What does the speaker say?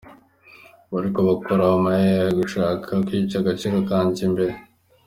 Bariko bakora ama erreurs gushaka kwica agaciro kanje imbere.